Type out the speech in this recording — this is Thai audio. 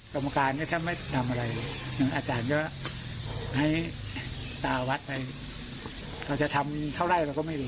กรรมการเนี่ยถ้าไม่ทำอะไรอาจารย์ก็ให้ตาวัดไปเราจะทำเท่าไรเราก็ไม่รู้